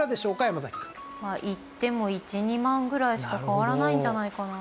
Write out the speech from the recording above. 山崎くん。まあいっても１２万ぐらいしか変わらないんじゃないかな。